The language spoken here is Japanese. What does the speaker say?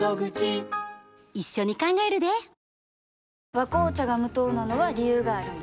「和紅茶」が無糖なのは、理由があるんよ。